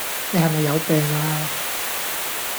你係咪有病呀